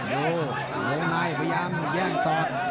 โหโหไงพยายามแย่งสอบ